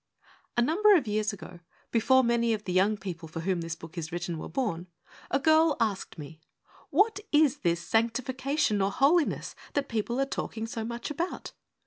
A NUMBER of years ago, before many of the young people for whom this book is written were born, a girl asked me, ' What is this Sanctification, or Holiness, that people are talking so much about?